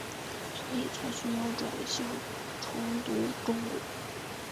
所以才需要转校重读中五。